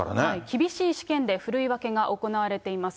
厳しい試験で振るい分けが行われています。